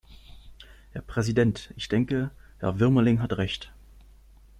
Herr Präsident, ich denke, Herr Wuermeling hat Recht.